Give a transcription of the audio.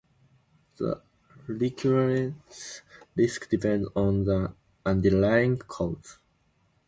The recurrence risk depends on the underlying cause.